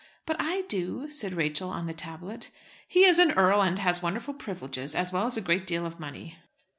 "But I do," said Rachel on the tablet. "He is an earl, and has wonderful privileges, as well as a great deal of money."